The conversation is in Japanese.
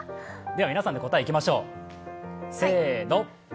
皆さんで答え、いきましょう。